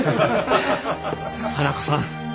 花子さん